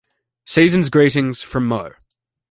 Season's Greetings from moe.